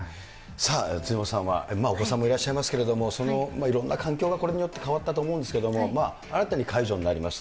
辻元さんは、お子さんもいらっしゃいますけれども、いろんな環境がこれによって変わったと思うんですけれども、新たに解除になります。